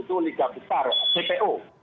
itu liga besar cpo